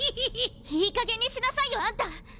いいかげんにしなさいよあんた！